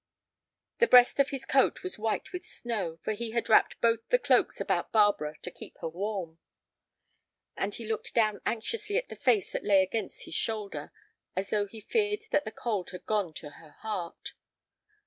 The breast of his coat was white with snow, for he had wrapped both the cloaks about Barbara to keep her warm. And he looked down anxiously at the face that lay against his shoulder, as though he feared that the cold had gone to her heart.